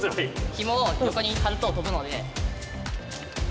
ひもを横に張ると飛ぶので。